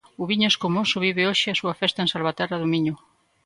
O viño escumoso vive hoxe a súa festa en Salvaterra do Miño.